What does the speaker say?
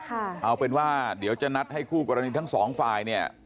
เอาเป็นว่าเดี๋ยวจะนัดให้คู่กรณีทั้งสองฝ่ายเนี่ย